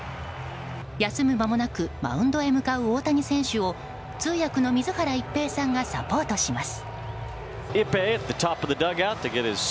休む間もなくマウンドへ向かう大谷選手を通訳の水原一平さんがサポートします。